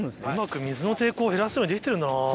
うまく水の抵抗を減らすようにできてるんだな。